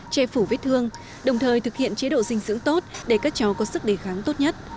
che phủ vết thương đồng thời thực hiện chế độ dinh dưỡng tốt để các cháu có sức đề kháng tốt nhất